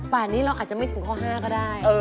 ป่านนี้เราอาจจะไม่ถึงข้อ๕ก็ได้